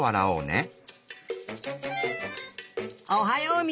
おはよう。